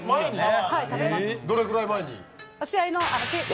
どれくらい前に？